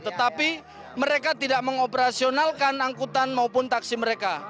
tetapi mereka tidak mengoperasionalkan angkutan maupun taksi mereka